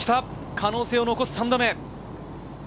可能性を残す３打目。